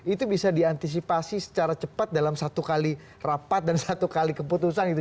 itu bisa diantisipasi secara cepat dalam satu kali rapat dan satu kali keputusan gitu